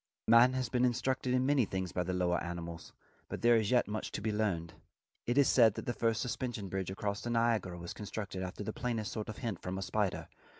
Man has been instructed in many things by lower animals, but there is yet much to be learned. It is said that the first suspension bridge across the Niagara was constructed after the plainest sort of hint from a spider.